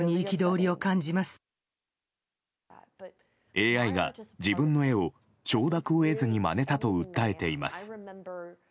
ＡＩが自分の絵を承諾を得ずにまねたと訴えています。